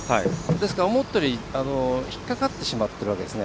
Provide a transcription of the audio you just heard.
ですから思ったより引っ掛かってしまってるわけですね。